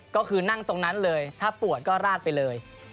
ก็คือนั่งตรงนั้นเลยถ้าปวดก็ราดไปเลย